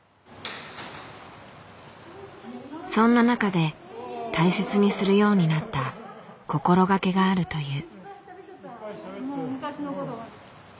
そんな中で大切にするようになった心掛けがあるという。